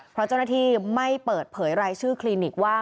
เพราะเจ้าหน้าที่ไม่เปิดเผยรายชื่อคลินิกว่า